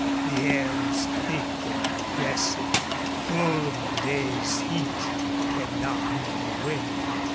The air was thick and oppressive, full of the day's heat that had not blown away.